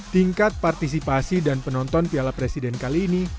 tingkat partisipasi dan penonton piala presiden kali ini